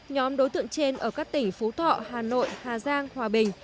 nhóm đối tượng trên ở các tỉnh phú thọ hà nội hà giang hòa bình